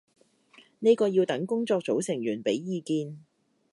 呢個要等工作組成員畀意見